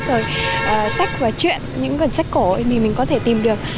những sách và chuyện những cuốn sách cổ thì mình có thể tìm được